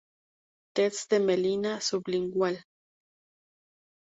Test de melanina sublingual.